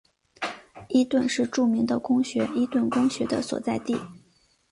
伊顿是著名的公学伊顿公学的所在地。